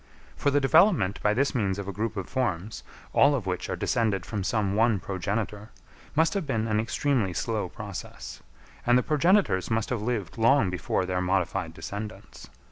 For the development by this means of a group of forms, all of which are descended from some one progenitor, must have been an extremely slow process; and the progenitors must have lived long before their modified descendants.